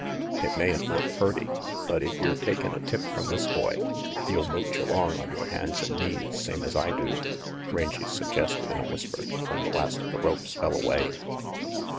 "It mayn't look purty, but if yer takin' a tip from this boy, you'll mooch along on yore hands and knees, same's I do," Rangy suggested in a whisper, when the last of the ropes fell away.